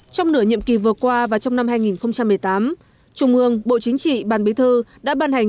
trong nửa nhiệm kỳ vừa qua và trong năm hai nghìn một mươi tám trung ương bộ chính trị ban bí thư đã ban hành